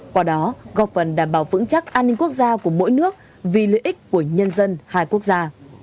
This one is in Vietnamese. qua đó góp phần đảm bảo vững chắc an ninh quốc gia của mỗi nước vì lợi ích của nhân dân hai quốc gia